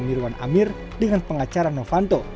mirwan amir dengan pengacara novanto